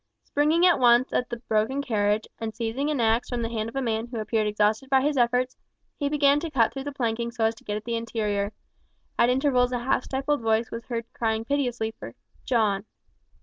Springing at once on the broken carriage, and seizing an axe from the hand of a man who appeared exhausted by his efforts, he began to cut through the planking so as to get at the interior. At intervals a half stifled voice was heard crying piteously for "John."